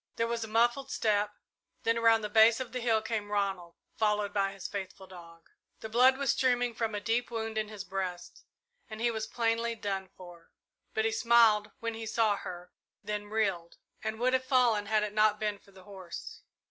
There was a muffled step, then around the base of the hill came Ronald, followed by his faithful dog. The blood was streaming from a deep wound in his breast, and he was plainly done for; but he smiled when he saw her, then reeled, and would have fallen had it not been for the horse.